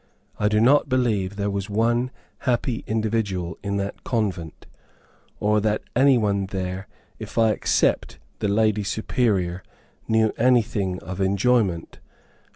I do not believe there was one happy individual in that convent, or that any one there, if I except the lady Superior, knew anything of enjoyment.